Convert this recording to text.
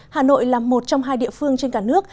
hà nội là một trong hai địa phương trên cả nước